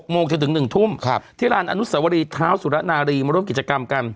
โมงจนถึง๑ทุ่มที่ร้านอนุสวรีเท้าสุรนารีมาร่วมกิจกรรมกัน